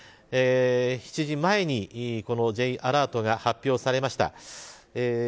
８時前にこのＪアラートが発表されました。